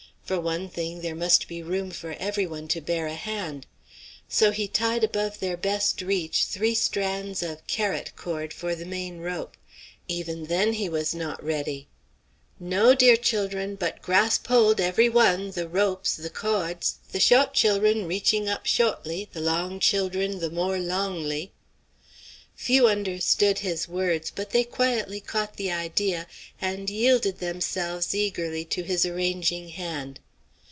For one thing, there must be room for every one to bear a hand. So he tied above their best reach three strands of "carat" cord to the main rope. Even then he was not ready. "No, dear chil'run; but grasp hold, every one, the ropes, the cawds, the shawt chil'run reaching up shawtly, the long chil'run the more longly." Few understood his words, but they quietly caught the idea, and yielded themselves eagerly to his arranging hand.